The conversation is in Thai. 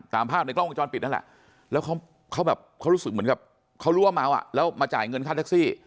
ตามภาพในกล้องวงจรปิดนั่นแหละแล้วเขาแบบเขารู้สึกเหมือนกับเขารู้ว่าเมาอ่ะแล้วมาจ่ายเงินค่าแท็กซี่